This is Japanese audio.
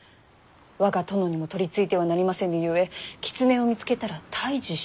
我が殿にも取りついてはなりませぬゆえ狐を見つけたら退治しようと。